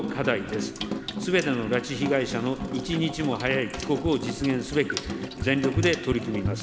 すべての拉致被害者の一日も早い帰国を実現すべく、全力で取り組みます。